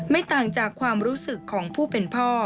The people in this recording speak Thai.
ไม่ต่างจากความรู้สึกของผู้เป็นพ่อ